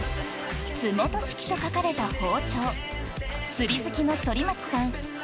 津本式と書かれた包丁釣り好きの反町さん